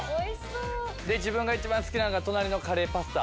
自分が一番好きなんが隣のカレーパスタ。